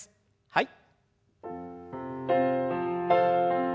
はい。